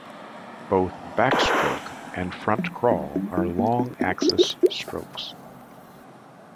Both backstroke and front crawl are long-axis strokes.